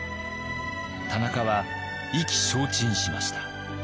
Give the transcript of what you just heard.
田中は意気消沈しました。